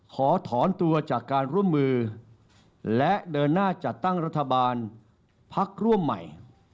ขอถอนตัวจากการร่วมมือและเดินหน้าจัดตั้งรัฐบาลพักร่วมใหม่